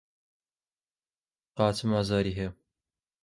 قاچم ئازاری هەیە.